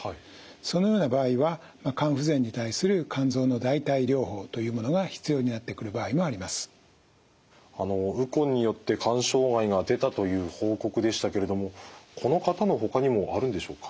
そのような場合はウコンによって肝障害が出たという報告でしたけれどもこの方のほかにもあるんでしょうか？